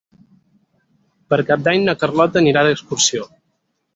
Per Cap d'Any na Carlota anirà d'excursió.